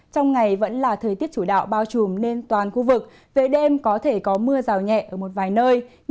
trong ngày vẫn là thời tiết chủ đạo bao trùm nên toàn khu vực về đêm có thể có mưa rào nhẹ ở một vài nơi